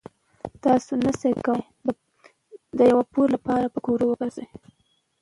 تاسو نشئ کولای د پور لپاره یې په ګرو ورکړئ.